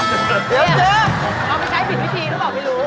คือเอาไปใช้ผิดวิธีหรือเปล่าไม่รู้